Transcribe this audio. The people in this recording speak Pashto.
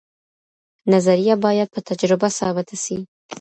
نظریه باید په تجربه ثابته سي.